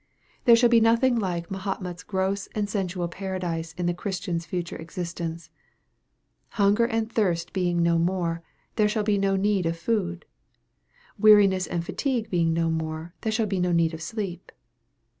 There shall be nothing like Mahomet's gross and sensual Paradise in the Christian's future existence. Hunger and thirst being no more there shall be no need of food. Weariness and fatigue being no more there shall be no need of sleep.